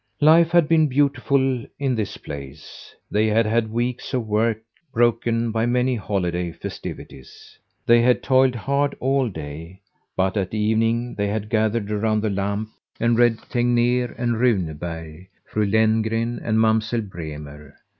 Life had been beautiful in this place. They had had weeks of work broken by many holiday festivities. They had toiled hard all day, but at evening they had gathered around the lamp and read Tegner and Runeberg, "Fru" Lenngren and "Mamsell" Bremer.